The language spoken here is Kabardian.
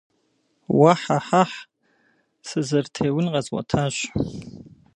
Уэ-хьэ-хьэхь! Сызэрытеун къэзгъуэтащ.